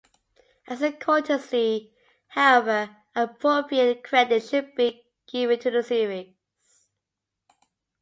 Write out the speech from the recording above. As a courtesy, however, appropriate credit should be given to the series.